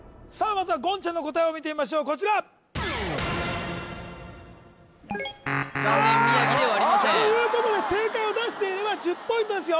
まずは言ちゃんの答えを見てみましょうこちら残念宮城ではありませんということで正解を出していれば１０ポイントですよ